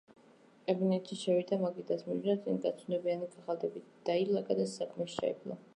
კაბინეტში შევიდა, მაგიდას მიუჯდა, წინ კაცუნებიანი ქაღალდები დაილაგა და საქმეში ჩაეფლო.